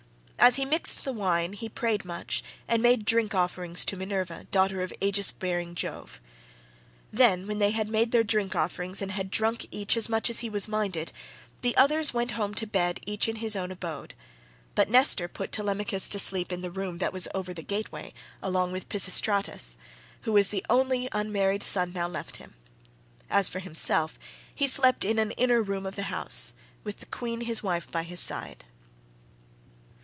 As he mixed the wine, he prayed much and made drink offerings to Minerva, daughter of Aegis bearing Jove. Then, when they had made their drink offerings and had drunk each as much as he was minded, the others went home to bed each in his own abode; but Nestor put Telemachus to sleep in the room that was over the gateway along with Pisistratus, who was the only unmarried son now left him. As for himself, he slept in an inner room of the house, with the queen his wife by his side.